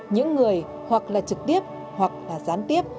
những người hoặc là trực tiếp hoặc là gián tiếp